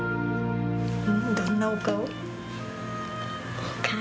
どんなお顔？